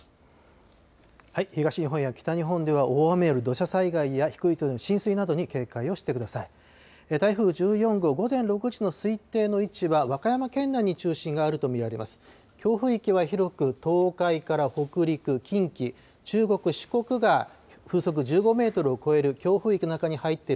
東日本や北日本では大雨による土砂災害や低い土地の浸水などに警戒をしてください。